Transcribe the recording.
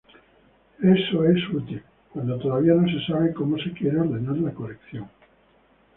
Eso es útil, cuando todavía no se sabe cómo se quiere ordenar la colección.